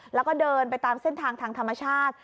แล้วก็เดินไปตามเส้นทางทางธรรมชาติ